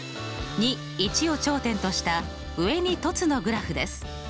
を頂点とした上に凸のグラフです。